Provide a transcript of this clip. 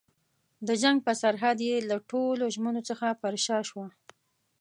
د جنګ پر سرحد یې له ټولو ژمنو څخه پر شا شوه.